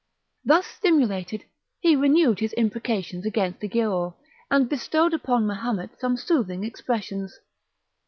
Thus stimulated, he renewed his imprecations against the Giaour, and bestowed upon Mahomet some soothing expressions.